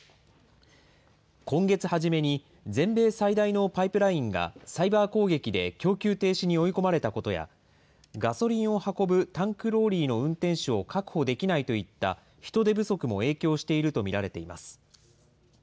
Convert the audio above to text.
今月初めに、全米最大のパイプラインがサイバー攻撃で供給停止に追い込まれたことや、ガソリンを運ぶタンクローリーの運転手を確保できないといった、人手不足も影響していると見られています。